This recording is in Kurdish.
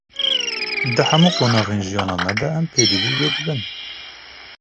Di hemû qonaxên jiyana me de, em pêdivî wê dibin.